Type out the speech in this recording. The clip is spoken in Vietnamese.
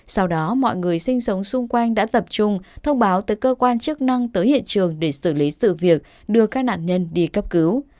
sau đó mọi người sinh sống xung quanh đã tập trung thông báo tới cơ quan chức năng tới hiện trường để xử lý sự việc đưa các nạn nhân đi cấp cứu